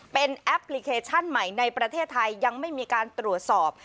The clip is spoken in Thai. เป็นแอปพลิเคชันใหม่ในประเทศไทยยังไม่มีการตรวจสอบ